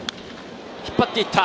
引っ張っていった！